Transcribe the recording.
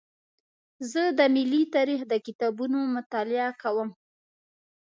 زه د ملي تاریخ د کتابونو مطالعه کوم.